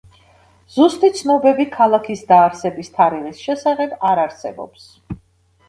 ზუსტი ცნობები ქალაქის დაარსების თარიღის შესახებ არ არსებობს.